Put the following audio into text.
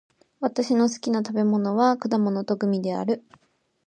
私の好きな食べ物は果物とグミである。